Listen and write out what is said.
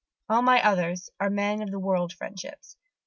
All my others are men of the world friendships."